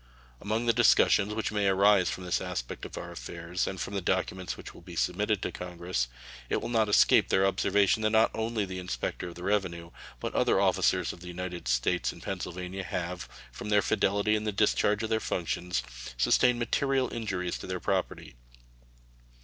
Among the discussions which may arise from this aspect of our affairs, and from the documents which will be submitted to Congress, it will not escape their observation that not only the inspector of the revenue, but other officers of the United States in Pennsylvania have, from their fidelity in the discharge of their functions, sustained material injuries to their property.